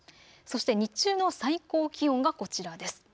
そして日中の最高気温がこちらです。